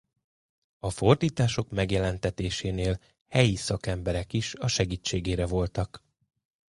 A fordítások megjelentetésénél helyi szakemberek is a segítségére voltak.